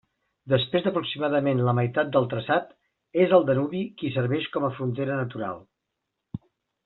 Després d'aproximadament la meitat del traçat, és el Danubi qui serveix com a frontera natural.